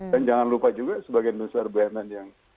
dan jangan lupa juga sebagai administrator bumn yang